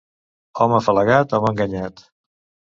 Home afalagat, home enganyat.